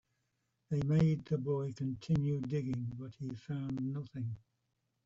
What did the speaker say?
They made the boy continue digging, but he found nothing.